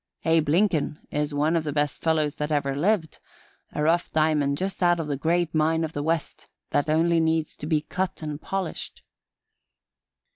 Abe Lincoln is one of the best fellows that ever lived a rough diamond just out of the great mine of the West, that only needs to be cut and polished."